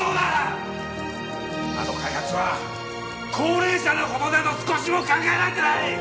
あの開発は高齢者の事など少しも考えられていない！